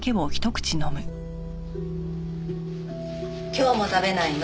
今日も食べないの？